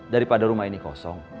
daripada rumah ini kosong